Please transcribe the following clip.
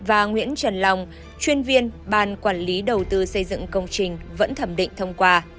và nguyễn trần long chuyên viên ban quản lý đầu tư xây dựng công trình vẫn thẩm định thông qua